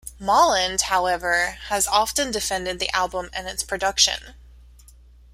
Molland, however, has often defended the album and its production.